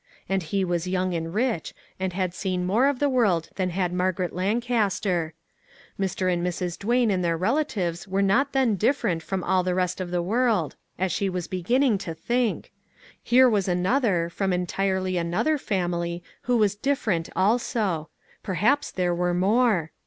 And he was young and rich, and had seen more of the world than had Margaret Lancaster. Mr. and Mrs. Duane and their relatives were not then different from all the rest of the world, as she was begining to think ; here was another, from entirely another family who was " different " also ; perhaps there were more.